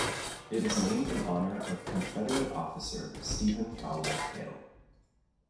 It is named in honor of Confederate officer Stephen Fowler Hale.